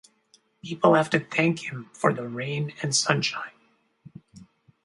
People have to thank him for the rain and sunshine.